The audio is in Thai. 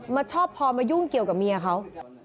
ชอบพอมายุ่งเกี่ยวกับเมียเขา